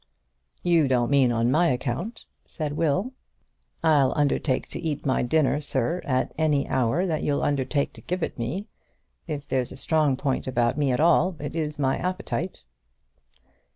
"You don't mean on my account," said Will. "I'll undertake to eat my dinner, sir, at any hour that you'll undertake to give it me. If there's a strong point about me at all, it is my appetite."